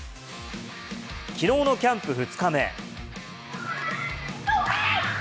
昨日のキャンプ２日目。